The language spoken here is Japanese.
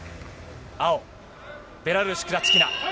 青、ベラルーシ、クラチキナ。